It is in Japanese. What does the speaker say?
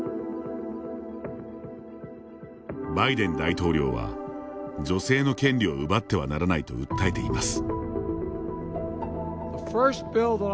バイデン大統領は、女性の権利を奪ってはならないと訴えています。